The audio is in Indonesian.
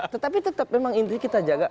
tetapi tetap memang intinya kita jaga